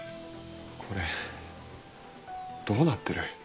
これどうなってる？